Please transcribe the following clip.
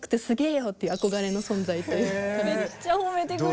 めっちゃ褒めてくれる。